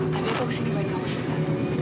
tapi aku kesini buat kamu sesuatu